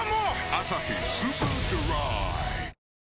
「アサヒスーパードライ」